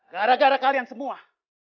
gara gara kalian semua